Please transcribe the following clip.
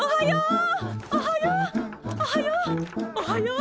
おはよう！